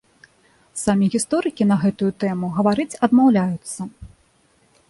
Самі гісторыкі на гэтую тэму гаварыць адмаўляюцца.